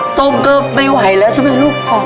ส้มก็ไม่ไหวแล้วใช่มั้ยลูกพ่อ